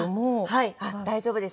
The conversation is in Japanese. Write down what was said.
はい大丈夫です。